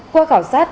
qua khảo sát